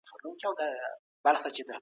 ایا مسلکي بڼوال وچه الوچه ساتي؟